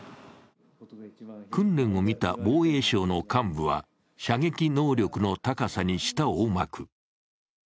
訓練を見た防衛省の幹部は射撃能力の高さに舌を巻く。